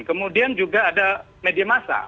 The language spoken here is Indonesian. kemudian juga ada media massa